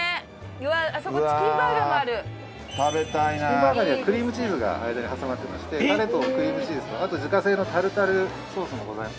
チキンバーガーにはクリームチーズが間に挟まってましてたれとクリームチーズと自家製のタルタルソースも。